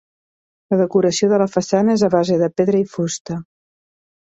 La decoració de la façana és a base de pedra i fusta.